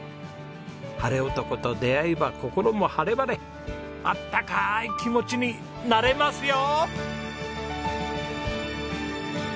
ハレオトコと出会えば心も晴れ晴れあったかい気持ちになれますよ！